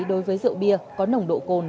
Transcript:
đối với rượu bia có nồng độ cồn